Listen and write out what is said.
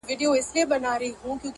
که څه کم و که بالابود و ستا په نوم و,